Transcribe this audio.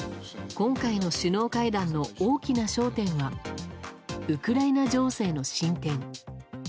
今回の首脳会談の大きな焦点はウクライナ情勢の進展。